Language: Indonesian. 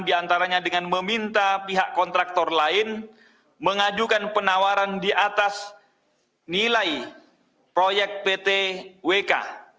diantaranya dengan meminta pihak kontraktor lain mengajukan penawaran di atas nilai proyek pt wk